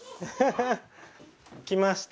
来ました。